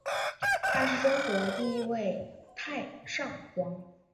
他是中国第一位太上皇。